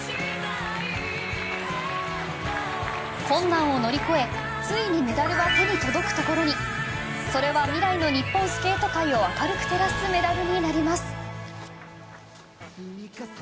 困難を乗り越えついにメダルが手に届くところにそれは未来の日本スケート界を明るく照らすメダルになります。